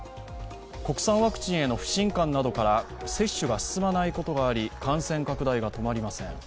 国産ワクチンへの不信感などから接種が進まないことがあり感染拡大が止まりません。